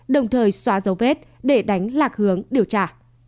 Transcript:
đồng thời xóa dấu vết để đánh lạc hướng điều tra